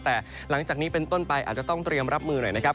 แต่หลังจากนี้เป็นต้นไปอาจจะต้องเตรียมรับมือหน่อยนะครับ